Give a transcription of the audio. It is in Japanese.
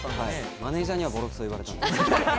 マネジャーにはボロクソ言われたですけれど。